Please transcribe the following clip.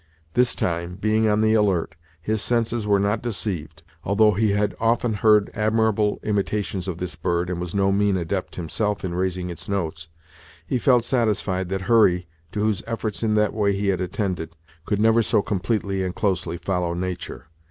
This time, being on the alert, his senses were not deceived. Although he had often heard admirable imitations of this bird, and was no mean adept himself in raising its notes, he felt satisfied that Hurry, to whose efforts in that way he had attended, could never so completely and closely follow nature.